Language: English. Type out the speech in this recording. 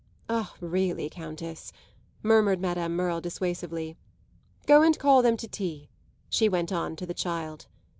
"Ah really, Countess!" murmured Madame Merle dissuasively. "Go and call them to tea," she went on to the child.